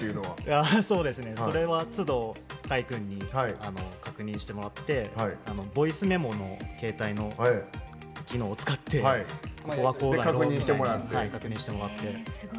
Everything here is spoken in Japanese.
それは、つど海君に確認してもらってボイスメモの携帯の機能を使ってここはこうだぞみたいに確認してもらって。